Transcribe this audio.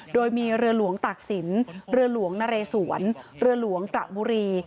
โดยมีเรือหลวงตากศิลป์เรือหลวงนเรสวนเรือหลวงกระบุรี